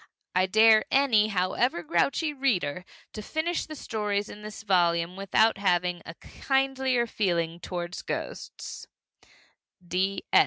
I dare any, however grouchy, reader to finish the stories in this volume without having a kindlier feeling toward ghosts!